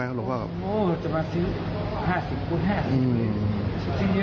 โอ้โฮจะมาซื้อ๕๐บาทที่นี่